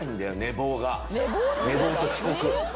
寝坊と遅刻。